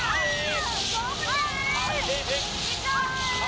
อะไรศักดิ์เดียว